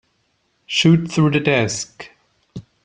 Shoot through the desk.